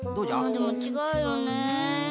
あでもちがうよね。